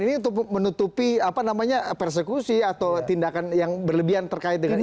ini untuk menutupi persekusi atau tindakan yang berlebihan terkait dengan isu ini